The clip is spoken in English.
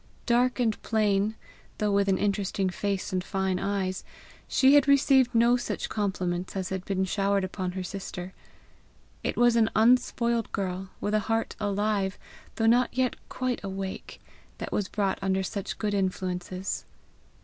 Dark and plain, though with an interesting face and fine eyes, she had received no such compliments as had been showered upon her sister; it was an unspoiled girl, with a heart alive though not yet quite awake, that was brought under such good influences.